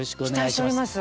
期待しております。